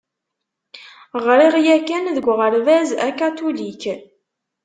Ɣriɣ yakan deg uɣerbaz akatulik.